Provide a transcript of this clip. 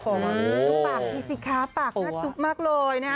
ปากพิสิก้าปากน่าจุ๊บมากเลยนะครับ